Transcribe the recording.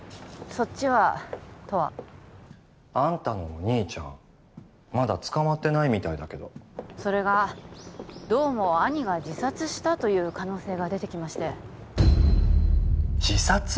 「そっちは？」とはあんたのお兄ちゃんまだ捕まってないみたいだけどそれがどうも兄が自殺したという可能性が出てきまして自殺？